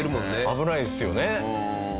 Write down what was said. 危ないですよね。